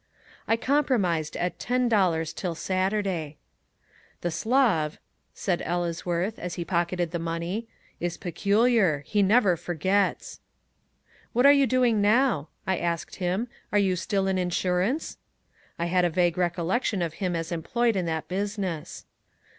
I compromised at ten dollars till Saturday. "The Slav," said Ellesworth, as he pocketed the money, "is peculiar. He never forgets." "What are you doing now?" I asked him. "Are you still in insurance?" I had a vague recollection of him as employed in that business.